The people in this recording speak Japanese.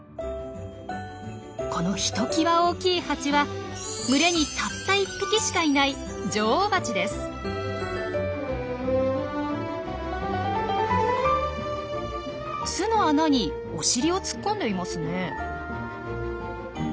このひときわ大きいハチは群れにたった１匹しかいない巣の穴にお尻を突っ込んでいますねえ。